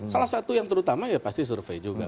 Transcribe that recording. salah satu yang terutama ya pasti survei juga